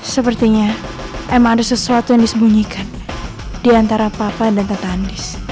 sepertinya emma ada sesuatu yang disembunyikan diantara papa dan tata andis